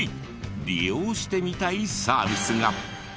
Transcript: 利用してみたいサービスが。